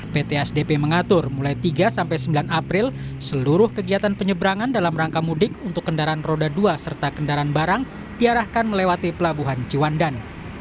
pt asdp mengatur mulai tiga sembilan april seluruh kegiatan penyeberangan dalam rangka mudik untuk kendaraan roda dua serta kendaraan barang diarahkan melewati pelabuhan ciwandan